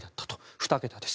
２桁です。